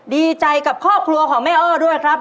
ดีใจกับครอบครัวของแม่อ้อด้วยครับ